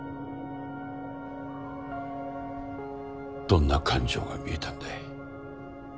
どんな感情が見えたんだい？